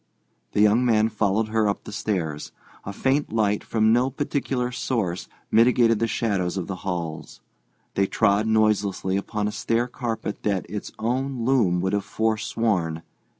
The young man followed her up the stairs. A faint light from no particular source mitigated the shadows of the halls. They trod noiselessly upon a stair carpet that its own loom would have forsworn.